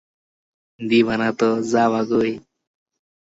দিবা না তো যাবা কই?